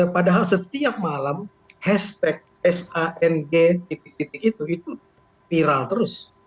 padahal setiap malam hashtag s a n g titik titik itu viral terus